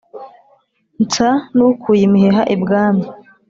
nsa n’ukuye imiheha ibwami